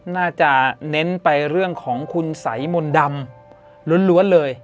น่าจะเน้นไปเรื่องของคุณสัยมนต์ดำล้วนเลย